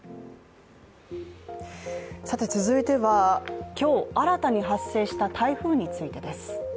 続いては、今日新たに発生した台風についてです。